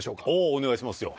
お願いしますよ。